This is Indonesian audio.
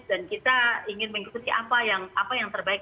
dan kita ingin mengikuti apa yang terbaik